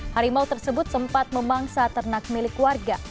harimau tersebut sempat memangsa ternak milik warga